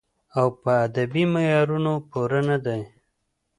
او پۀ ادبې معيارونو پوره نۀ دی